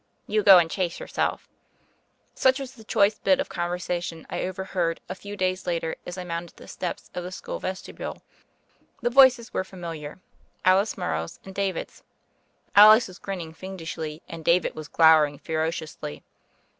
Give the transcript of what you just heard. "You go and chase yourself." Such was the choice bit of conversation I overheard a few days later as I mounted the steps of the school vestibule. The voices were familiar — ^Alice Morrow's and David's. Alice was grinning fiendishly and David was glowering ferociously.